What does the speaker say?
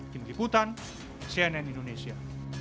tim kiputan cnn indonesia